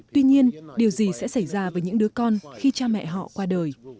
tuy nhiên điều gì sẽ xảy ra với những đứa con khi cha mẹ họ qua đời